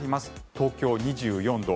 東京、２４度。